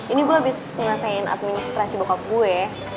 ini gue abis ngelesain administrasi bokap gue